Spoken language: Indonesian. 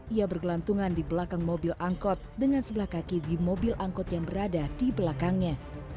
ia bergelantungan di belakang mobil angkot dengan sebelah kaki di mobil angkot yang berada di belakangnya